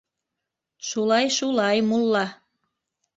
— Шулай, шулай, мулла.